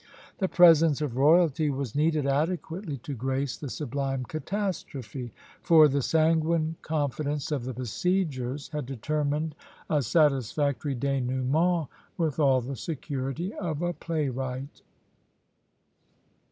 The presence of royalty was needed adequately to grace the sublime catastrophe; for the sanguine confidence of the besiegers had determined a satisfactory dénouement with all the security of a playwright.